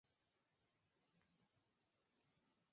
叙里勒孔塔勒。